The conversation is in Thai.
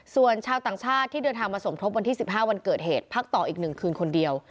ส่วนชาวต่างชาติที่เดินทางมาสมทบวันที่๑๕วันเกิดเหตุพักต่ออีก๑คืนคนเดียว